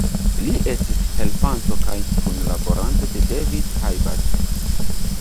Li estis helpanto kaj kunlaboranto de David Hilbert.